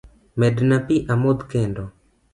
Medna pi amodh kendo